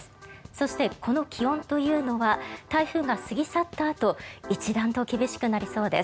そして、この気温というのは台風が過ぎ去ったあと一段と厳しくなりそうです。